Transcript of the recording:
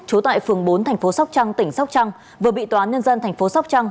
trú tại phường bốn tp sóc trăng tỉnh sóc trăng vừa bị toán nhân dân tp sóc trăng